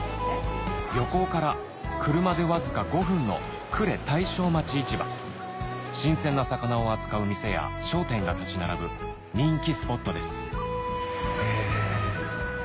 漁港から車でわずか５分の新鮮な魚を扱う店や商店が立ち並ぶ人気スポットですへぇ。